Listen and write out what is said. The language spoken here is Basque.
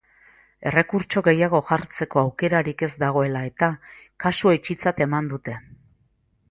Errekurtso gehiago jartzeko aukerarik ez dagoela eta, kasua itxitzat eman dute.